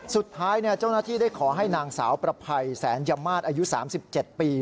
สุดท้ายเจ้าหน้าที่ได้ขอให้นางสาวประภัยแสนยมาตรอายุ๓๗ปี